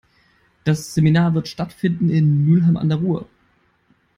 Das Seminar wird stattfinden in Mülheim an der Ruhr.